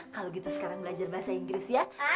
kalau gitu sekarang belajar bahasa inggris ya